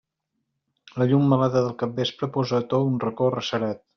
La llum melada del capvespre posa a to un racó arrecerat.